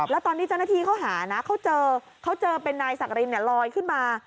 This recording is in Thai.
แล้วตอนที่เจ้าหน้าที่เขาหานะเขาเจอเขาเจอเป็นนายสักรินลอยขึ้นมา